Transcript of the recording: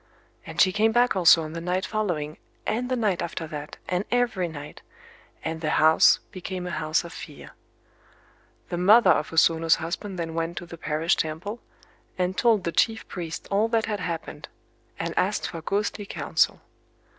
And she came back also on the night following, and the night after that, and every night;—and the house became a house of fear. The mother of O Sono's husband then went to the parish temple, and told the chief priest all that had happened, and asked for ghostly counsel.